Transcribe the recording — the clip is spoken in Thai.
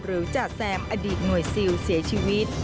จ่าแซมอดีตหน่วยซิลเสียชีวิต